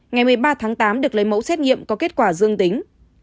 ngày một mươi ba tháng tám được lấy lại mẫu xét nghiệm cho kết quả dương tính